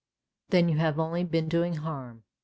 "" Then you have only been doing harm!